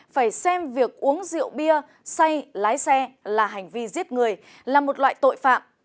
phải xem việc uống rượu bia xay lái xe là hành vi giết người là một loại tội phạm